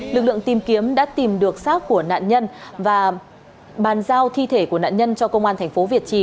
lực lượng tìm kiếm đã tìm được sát của nạn nhân và bàn giao thi thể của nạn nhân cho công an thành phố việt trì